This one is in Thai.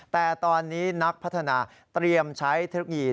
แต่ตอนนี้นักพัฒนาเตรียมใช้ธุรกิจ